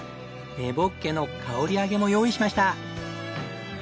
根ボッケの香り揚げも用意しました。